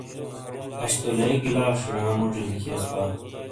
اش تو لیگی لا شینا موجی لکھیئیس وا۔